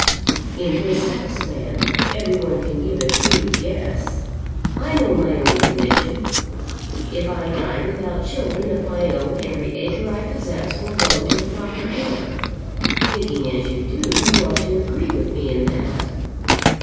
"In this house, ma'am, every one can give a shrewd guess. I know my own condition. If I die without children of my own every acre I possess will go to the proper heir. Thinking as you do, you ought to agree with me in that."